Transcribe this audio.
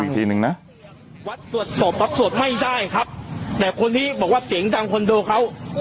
แต่คนที่บอกว่าเก๋งดังคนโดค่ะ